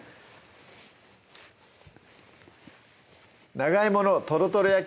「長芋のとろとろ焼き」